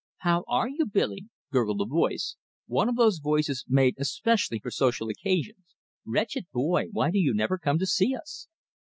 "How are you, Billy?" gurgled a voice one of those voices made especially for social occasions. "Wretched boy, why do you never come to see us?"